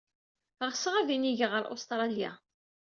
Ɣseɣ ad inigeɣ ɣer Ustṛalya.